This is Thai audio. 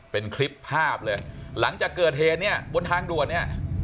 เป็นคลิปภาพเลยหลังจากเกิดเหตุเนี่ยบนทางด่วนเนี่ย